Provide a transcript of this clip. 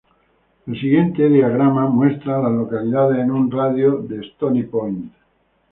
El siguiente diagrama muestra a las localidades en un radio de de Stony Point.